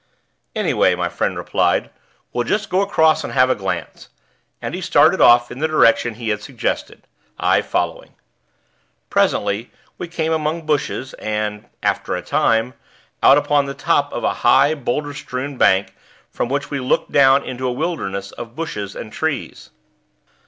"Anyway," my friend replied, "we'll just go across and have a glance." And he started off in the direction he had suggested, I following. Presently, we came among bushes, and, after a time, out upon the top of a high, boulder strewn bank, from which we looked down into a wilderness of bushes and trees.